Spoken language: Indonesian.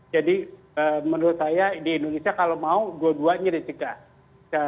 menurut saya di indonesia kalau mau dua duanya dicegah